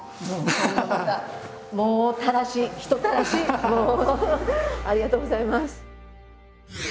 でありがとうございます。